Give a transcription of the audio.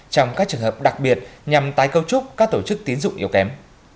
trong các trường hợp đặc biệt nhằm tái cấu trúc các tổ chức tín dụng yếu kém